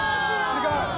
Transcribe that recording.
違う。